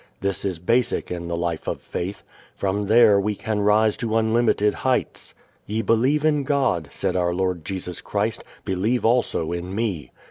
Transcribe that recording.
This is basic in the life of faith. From there we can rise to unlimited heights. "Ye believe in God," said our Lord Jesus Christ, "believe also in me."